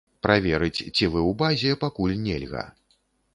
Праверыць, ці вы ў базе, пакуль нельга.